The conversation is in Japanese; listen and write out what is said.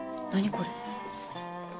これ。